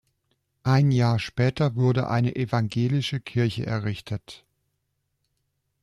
Ein Jahr später wurde eine evangelische Kirche errichtet.